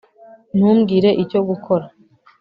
Ntumbwire Icyo gukora